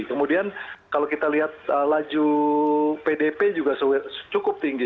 kemudian kalau kita lihat laju pdp juga cukup tinggi